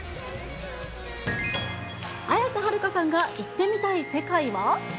綾瀬はるかさんが、行ってみたい世界は？